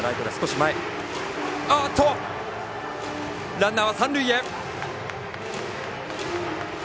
ランナーは三塁へ。